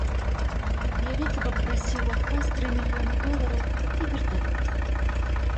Я ветліва прасіў у адказ тры мільёны долараў і верталёт.